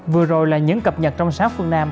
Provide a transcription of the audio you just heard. vừa rồi là những cập nhật trong sáng phương nam